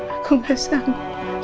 aku gak sanggup